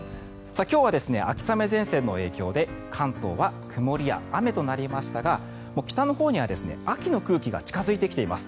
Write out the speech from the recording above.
今日は秋雨前線の影響で関東は曇りや雨となりましたが北のほうには秋の空気が近付いてきています。